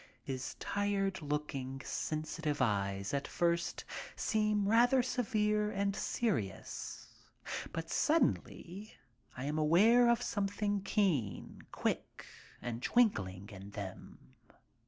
His tired looking, sensitive eyes at first seem rather severe and serious, but suddenly I am aware of something keen, quick and twinkling in them.